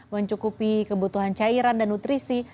mencukupi kebutuhan cairan dan nutrisi